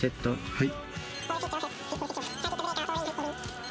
はい。